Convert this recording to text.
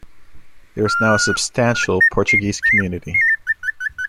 There is now a substantial Portuguese community.